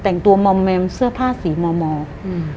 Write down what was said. แต่งตัวมอมแมมเสื้อผ้าสีมอมออืม